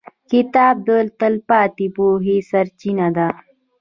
• کتاب د تلپاتې پوهې سرچینه ده.